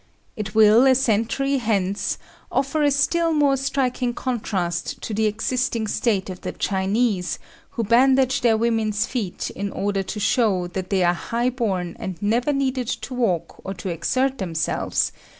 It will, a century hence, offer a still more striking contrast to the existing state of the Chinese, who bandage their women's feet in order to show that they are high born and never needed to walk or to exert themselves!